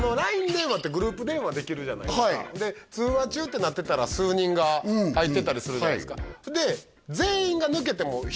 ＬＩＮＥ電話ってグループ電話できるじゃないすかはいで「通話中」ってなってたら数人が入ってたりするじゃないすかでリモートでうんうん